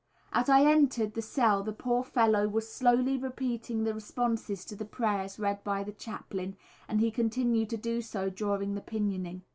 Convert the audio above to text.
As I entered the cell the poor fellow was slowly repeating the responses to the prayers read by the chaplain, and he continued to do so during the pinioning.